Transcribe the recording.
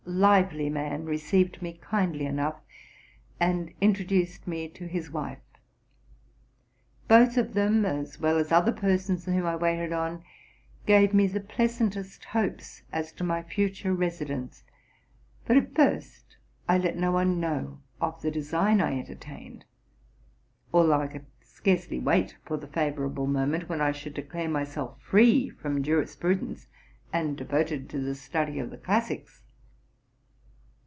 lively man received me kindly enough, and introduced me to his wife. Both of them, as well as sthe other persons whom I waited on, gave me the pleasantest hopes as to my future residence ; but at first I let no one know of the design I entertained, although I could scarcely wait for the fay orable moment when I should declare myself free from jurispru dence, and devoted to the study of 'the classies.